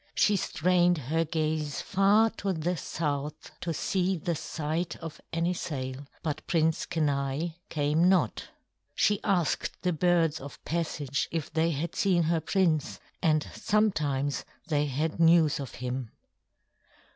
She strained her gaze far to the south to see the sight of any sail; but Prince Kenai came not. She asked the birds of passage if they had seen her prince, and sometimes they had news of him.